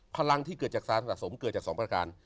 พลังที่เกิดจากสารสะสมเกิดจาก๒ประการ